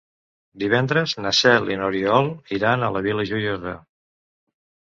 Divendres na Cel i n'Oriol iran a la Vila Joiosa.